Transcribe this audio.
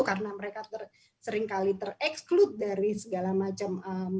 karena mereka sering kali tereksklud dari segala macam